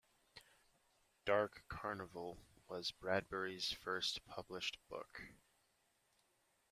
"Dark Carnival" was Bradbury's first published book.